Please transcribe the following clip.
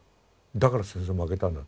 だから戦争負けたんだと。